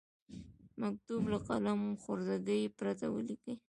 مکتوب له قلم خوردګۍ پرته ولیکئ.